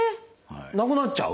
なくなっちゃう？